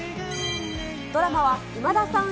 ドラマは、今田さん